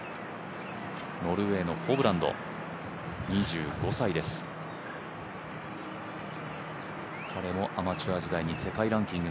ノルウエーのホブランド、２５歳です、彼もアマチュア時代に世界ランキング